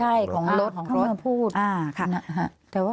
ใช่ของรถ